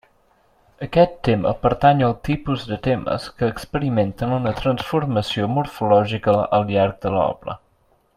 Aquest tema pertany al tipus de temes que experimenten una transformació morfològica al llarg de l'obra.